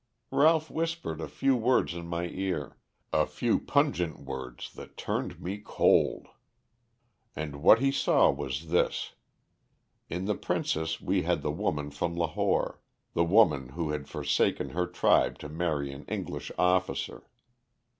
"Ralph whispered a few words in my ear a few pungent words that turned me cold. And what he saw was this. In the princess we had the woman from Lahore the woman who had forsaken her tribe to marry an English officer.